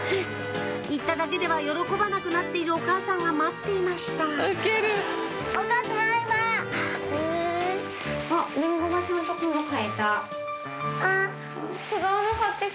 行っただけでは喜ばなくなっているお母さんが待っていましたリンゴ買えた。